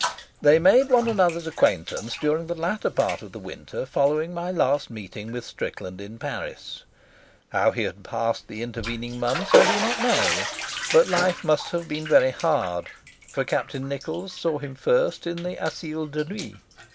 They made one another's acquaintance during the latter part of the winter following my last meeting with Strickland in Paris. How he had passed the intervening months I do not know, but life must have been very hard, for Captain Nichols saw him first in the Asile de Nuit.